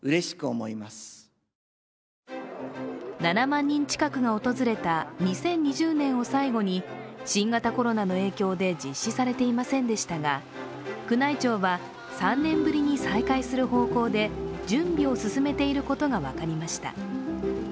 ７万人近くが訪れた２０２０年を最後に新型コロナの影響で実施されていませんでしたが、宮内庁は、３年ぶりに再開する方向で準備を進めていることが分かりました。